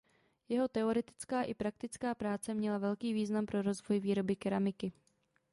Jeho teoretická i praktická práce měla velký význam pro rozvoj výroby keramiky.